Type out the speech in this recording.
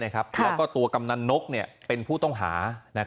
แล้วก็ตัวกำนันนกเป็นผู้ต้องหา